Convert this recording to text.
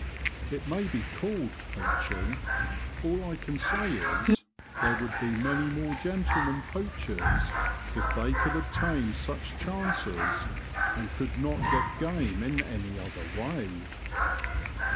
It may be called ' poaching '— all I can say is, there would be many more gentlemen poachers if they could obtain such chances, and could not get game in any other way."